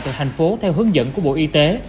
từ thành phố theo hướng dẫn của bộ y tế